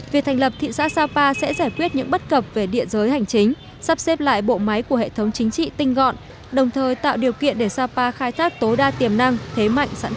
việc thành lập thị xã sapa sẽ giải quyết những bất cập về địa giới hành chính sắp xếp lại bộ máy của hệ thống chính trị tinh gọn đồng thời tạo điều kiện để sapa khai thác tối đa tiềm năng thế mạnh